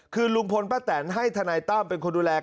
คือลุงพลป้าแตนให้ทนายตั้มเป็นคนดูแล